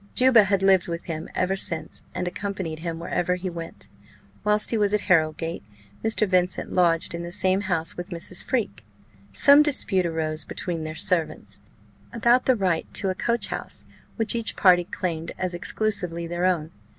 Juba had lived with him ever since, and accompanied him wherever he went. Whilst he was at Harrowgate, Mr. Vincent lodged in the same house with Mrs. Freke. Some dispute arose between their servants, about the right to a coach house, which each party claimed as exclusively their own.